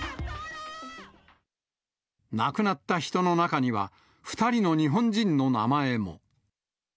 亡くなった人の中には、２人の日本人の名前も。